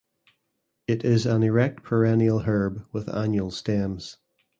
It is an erect perennial herb with annual stems.